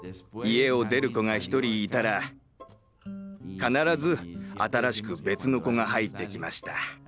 家を出る子が１人いたら必ず新しく別の子が入ってきました。